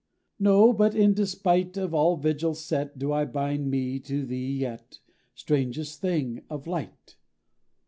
No; but in despite Of all vigils set, Do I bind me to thee yet, strangest thing of Light!